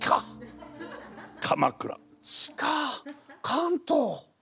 関東！